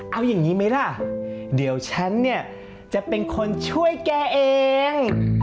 เอาอย่างนี้ไหมล่ะเดี๋ยวฉันเนี่ยจะเป็นคนช่วยแกเอง